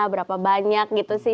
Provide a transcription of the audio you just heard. berapa banyak gitu sih